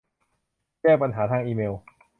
แจ้งปัญหาทางอีเมล